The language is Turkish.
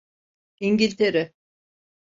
İngiltere…